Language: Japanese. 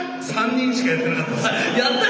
３人しかやってなかった。